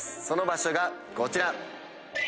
その場所がこちら。